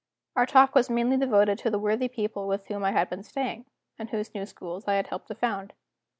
Our talk was mainly devoted to the worthy people with whom I had been staying, and whose new schools I had helped to found.